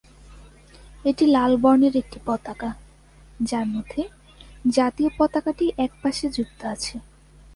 এটি লাল বর্ণের একটা পতাকা, যার মধ্যে জাতীয় পতাকাটি এক পাশে যুক্ত আছে।